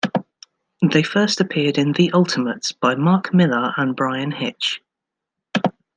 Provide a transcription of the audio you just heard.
They first appeared in "The Ultimates" by Mark Millar and Bryan Hitch.